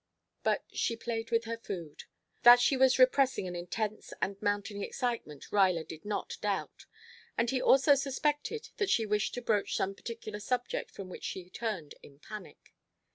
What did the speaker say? But she played with her food. That she was repressing an intense and mounting excitement Ruyler did not doubt, and he also suspected that she wished to broach some particular subject from which she turned in panic.